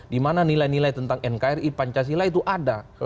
dimana nilai nilai tentang nkri pancasila itu ada